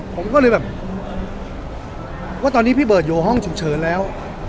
ผมก็เลยแบบว่าตอนนี้พี่เบิร์ตอยู่ห้องฉุกเฉินแล้ว